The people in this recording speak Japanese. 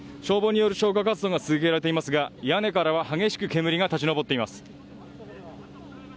消防による消火活動が続けられていますが屋根からは激しく煙が立ち上っています。